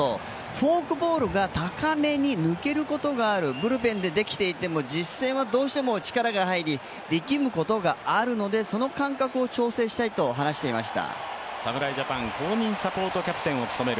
フォークボールが高めに抜けることがある、ブルペンでできていても実戦はどうしても力が入り力むことがあるのでその感覚を調整したいと話していました。